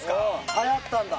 はやったんだ